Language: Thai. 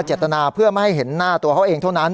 เจตนาเพื่อไม่ให้เห็นหน้าตัวเขาเองเท่านั้น